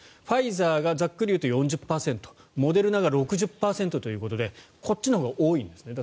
ファイザーがざっくり言うと４０％モデルナが６０％ということでこっちのほうが多いんです。